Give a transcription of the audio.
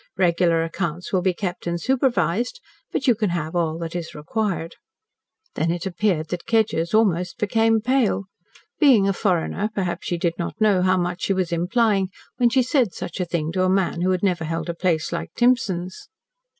"Regular accounts will be kept and supervised, but you can have all that is required." Then it appeared that Kedgers almost became pale. Being a foreigner, perhaps she did not know how much she was implying when she said such a thing to a man who had never held a place like Timson's.